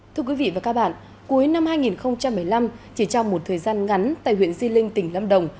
thưa quý vị và các bạn cuối năm hai nghìn một mươi năm chỉ trong một thời gian ngắn tại huyện di linh tỉnh lâm đồng